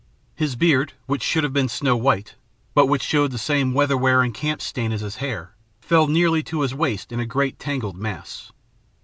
His beard, which should have been snow white but which showed the same weather wear and camp stain as his hair, fell nearly to his waist in a great tangled mass.